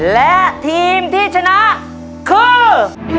และทีมที่ชนะคือ